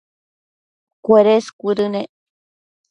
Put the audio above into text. cuedes cuëdënec